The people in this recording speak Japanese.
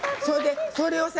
それをさ